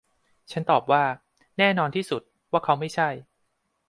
ฉันตอบว่า แน่นอนที่สุดว่าเขาไม่ใช่